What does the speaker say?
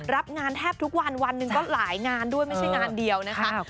รับงานแทบทุกวันวันหนึ่งก็หลายงานด้วยไม่ใช่งานเดียวนะคะ